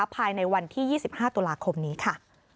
ภายในวันที่๒๕ตุลาคมนี้ค่ะ